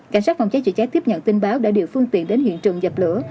cảnh sát phòng cháy chữa cháy tiếp nhận tin báo đã điều phương tiện đến hiện trường dập lửa